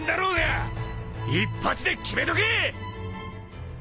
一発で決めとけ！